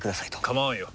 構わんよ。